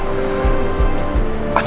aku cuma berhati hati